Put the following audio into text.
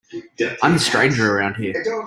I'm the stranger around here.